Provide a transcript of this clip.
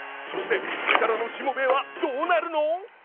そしてこれからの「しもべえ」はどうなるの？